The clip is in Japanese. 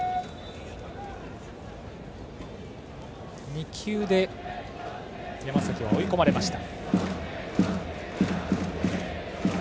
２球で山崎は追い込まれました。